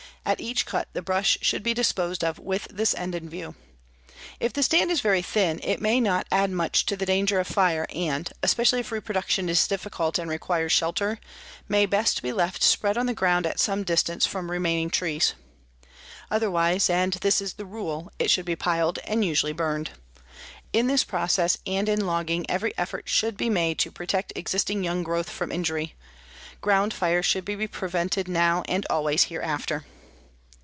At each cut the brush should be disposed of with this end in view. If the stand is very thin it may not add much to the danger of fire and, especially if reproduction is difficult and requires shelter, may best be left spread on the ground at some distance from remaining trees. Otherwise, and this is the rule, it should be piled and usually burned. In this process and in logging every effort should be made to protect existing young growth from injury. Ground fires should be prevented now and always hereafter.